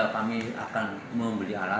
kami akan membeli alat